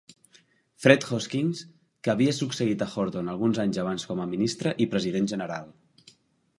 Fred Hoskins, que havia succeït a Horton alguns anys abans com a ministre i president general.